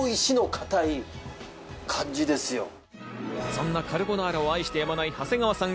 そんなカルボナーラを愛してやまない長谷川さん